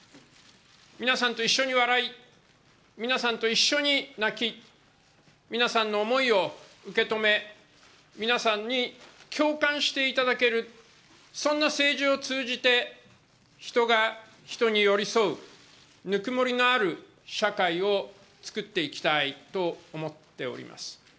皆さんと一緒に笑い、皆さんと一緒に泣き、皆さんの思いを受け止め、皆さんに共感していただける、そんな政治を通じて、人が人に寄り添う、温もりのある社会を作っていきたいと思っております。